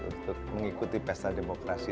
untuk mengikuti pesta demokrasi